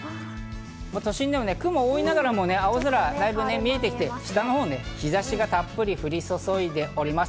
都心でも雲が多いながらも青空がだいぶ見えてきて、下の方で日差しがたっぷり降り注いでおります。